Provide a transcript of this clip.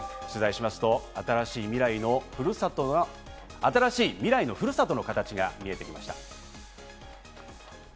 取材しますと、新しいミライのふるさとの形が見えてきました。